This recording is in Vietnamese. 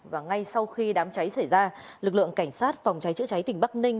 và ngay sau khi đám cháy xảy ra lực lượng cảnh sát phòng cháy chữa cháy tỉnh bắc ninh